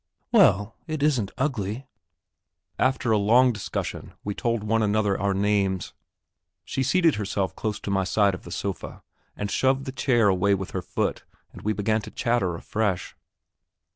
"Well, it isn't ugly!" After a long discussion we told one another our names. She seated herself close to my side on the sofa, and shoved the chair away with her foot, and we began to chatter afresh.